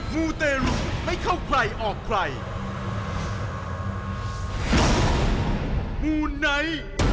มูน้อย